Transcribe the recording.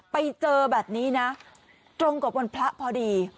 ไปเจอแบบนี้นะตรงกับวันพระพอดี